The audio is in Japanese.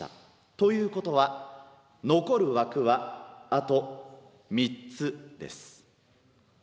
ということは残る枠はあと３つです。